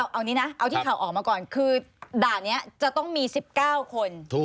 เอานี้นะเอาที่ข่าวออกมาก่อนคือด่านนี้จะต้องมี๑๙คน